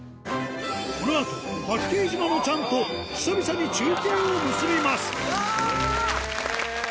この後「八景島」のチャンと久々に中継を結びますえぇ！